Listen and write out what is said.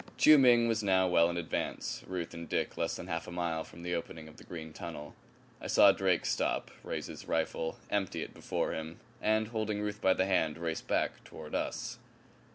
Chiu Ming was now well in advance; Ruth and Dick less than half a mile from the opening of the green tunnel. I saw Drake stop, raise his rifle, empty it before him, and, holding Ruth by the hand, race back toward us.